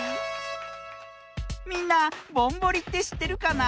みんなぼんぼりってしってるかな？